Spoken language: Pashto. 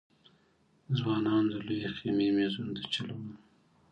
ځوانانو د لويې خېمې مېزونو ته چلول.